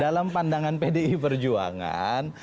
dalam pandangan pdi perjuangan